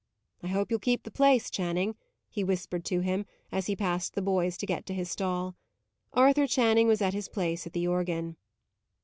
"I hope you'll keep the place, Channing," he whispered to him, as he passed the boys to get to his stall. Arthur Channing was at his place at the organ.